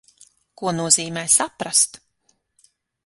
Ko nozīmē saprast?